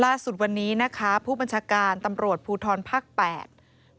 ล่าสุดวันนี้ผู้บัญชาการตำรวจภูทรภักดิ์๘